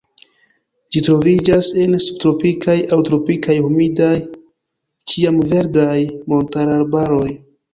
Ĝi troviĝas en subtropikaj aŭ tropikaj humidaj ĉiamverdaj montararbaroj.